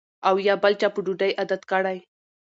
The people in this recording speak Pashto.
او یا بل چا په ډوډۍ عادت کړی